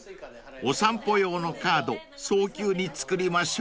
［おさんぽ用のカード早急に作りましょう］